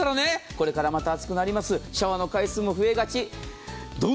これから暑くなってシャワーの回数も増えがち。